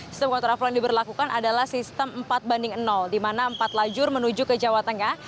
sistem kontraflow yang diberlakukan adalah sistem empat banding di mana empat lajur menuju ke jawa tengah